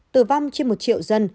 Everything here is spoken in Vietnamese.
tử vong trên một triệu dân